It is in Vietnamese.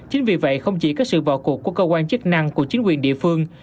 chính vì vậy không chỉ có sự vào cuộc của cơ quan chức năng của chính quyền địa phương